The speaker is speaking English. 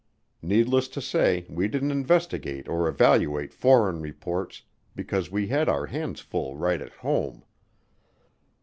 Needless to say, we didn't investigate or evaluate foreign reports because we had our hands full right at home.